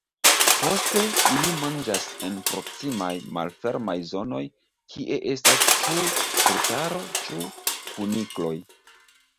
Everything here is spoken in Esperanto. Poste ili manĝas en proksimaj malfermaj zonoj kie estas ĉu brutaro ĉu kunikloj.